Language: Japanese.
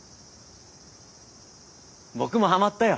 僕もハマったよ。